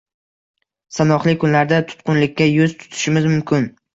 sanoqli kunlarda tutqunlikka yuz tutishimiz mumkin.